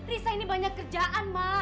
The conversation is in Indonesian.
risa ini banyak kerjaan mak